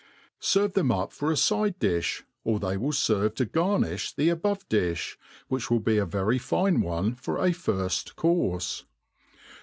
Serve them up for a Gde difli, or they will ferve to garni(h the above difli, which will be a very fine one for a firft coirrfe.